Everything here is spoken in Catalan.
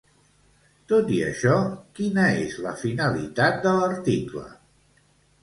Tot i això, quina és la finalitat de l'article?